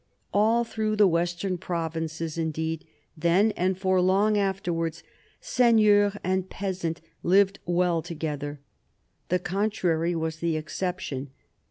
All through the western provinces, indeed, then and for long afterwards, seigneur and peasant lived well together ; the contrary was the exception.